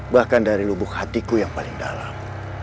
bahkan dari lubuk hatiku yang paling dalam